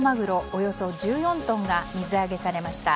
およそ１４トンが水揚げされました。